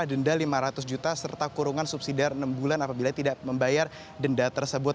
denda lima ratus juta serta kurungan subsidi dari enam bulan apabila tidak membayar denda tersebut